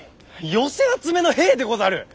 寄せ集めの兵でござる！